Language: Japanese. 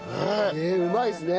ねえうまいですね。